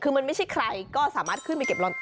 คือมันไม่ใช่ใครก็สามารถขึ้นไปเก็บลอน